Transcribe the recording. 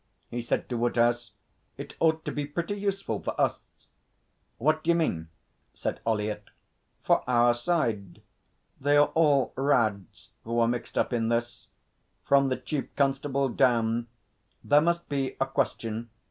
he said to Woodhouse. 'It ought to be pretty useful for us.' 'What d'you mean?' said Ollyett. 'For our side. They are all Rads who are mixed up in this from the Chief Constable down. There must be a Question.